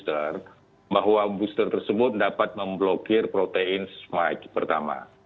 kalau kita mau melakukan booster bahwa booster tersebut dapat memblokir protein spike pertama